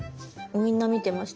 みんな見てました。